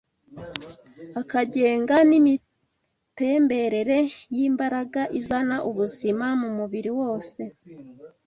akagenga imitemberere y’imbaraga izana ubuzima mu mubiri wose